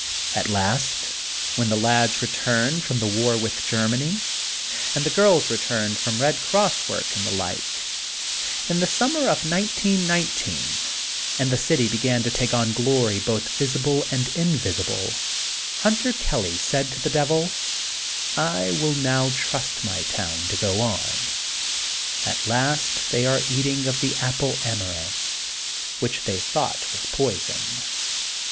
'' At last, when the lads re turned from the war with Germany, and the girls returned from Eed Cross work, and the like, in the summer of 1919, and the city be gan to take on glory both visible and invisible, Hunter Kelly said to the Devil: ''I will now trust my town to go on. At last they are eat ing of the Apple Amaranth, which they thought was poison.